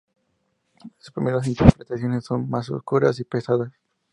Sus primeras interpretaciones son más oscuras y pesadas.